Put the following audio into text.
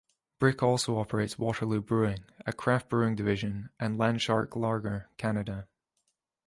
Brick also operates Waterloo Brewing, a craft brewing division, and LandShark Lager Canada.